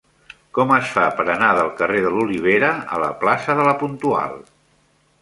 Com es fa per anar del carrer de l'Olivera a la plaça de La Puntual?